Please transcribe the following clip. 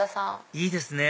いいですね！